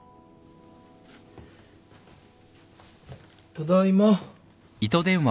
ただいま。